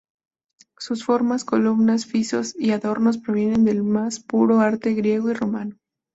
Sus formas, columnas, frisos y adornos provienen del más puro arte griego y romano.